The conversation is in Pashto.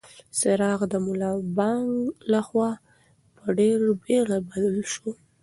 څراغ د ملا بانګ لخوا په ډېرې بېړه بل شو.